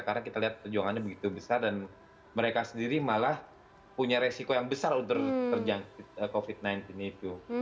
karena kita lihat perjuangannya begitu besar dan mereka sendiri malah punya resiko yang besar untuk terjangkit covid sembilan belas itu